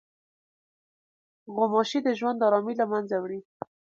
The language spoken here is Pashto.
غوماشې د ژوند ارامي له منځه وړي.